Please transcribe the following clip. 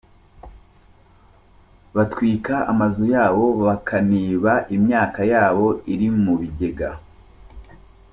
Batwika amazu yabo bakaniba imyaka yabo iri mu bigega.